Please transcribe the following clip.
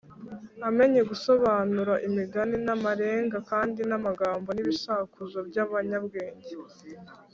amenye gusobanura imigani n’amarenga, kandi n’amagambo n’ibisakuzo by’abanyabwenge